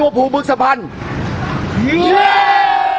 สวัสดีครับวันนี้ชัพเบียนเอ้าเฮ้ย